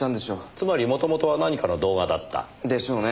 つまりもともとは何かの動画だった。でしょうね。